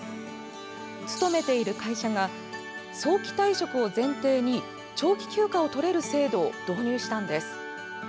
勤めている会社が早期退職を前提に長期休暇をとれる制度を導入したのです。